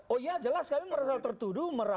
oh iya jelas kami merasa tertuduh